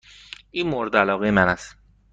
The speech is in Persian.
این مورد علاقه من است.